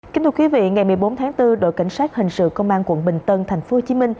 kính thưa quý vị ngày một mươi bốn tháng bốn đội cảnh sát hình sự công an quận bình tân tp hcm